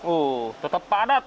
oh tetap padat